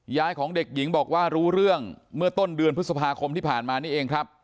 ยายของเด็กหญิงบอกว่ารู้เรื่องเมื่อต้นเดือนพฤษภาคมที่ผ่านมานี่เองครับ